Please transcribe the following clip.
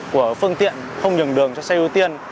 của phương tiện không nhường đường cho xe ưu tiên